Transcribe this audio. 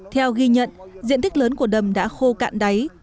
theo ghi nhận diện tích lớn của đầm đã khô cạn đáy